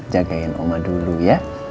jagain oma dulu ya